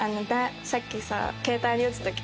さっきさ携帯に打つ時。